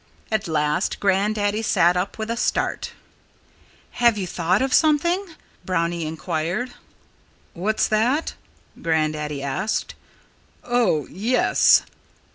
At last Grandaddy sat up with a start. "Have you thought of something?" Brownie inquired. "What's that?" Grandaddy asked. "Oh, yes!